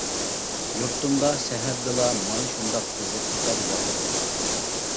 يۇرتۇمدا سەھەردىلا مانا شۇنداق قىزىپ كېتەر ياغلىق دۇكىنى.